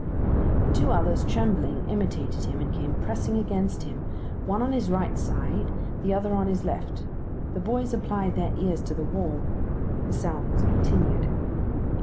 The two others, trembling, imitated him, and came pressing against him, one on his right side, the other on his left. The boys applied their ears to the wall. The sounds continued.